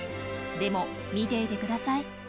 でも見ていてください。